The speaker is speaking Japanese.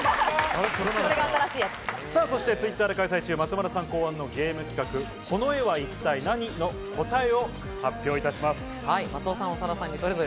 Ｔｗｉｔｔｅｒで開催中、松丸さん考案のゲーム企画「この絵は一体ナニ！？」の答えを発表します。